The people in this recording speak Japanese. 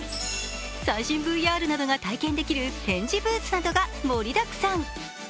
最新ＶＲなどが体験できる展示ブースなどが盛りだくさん。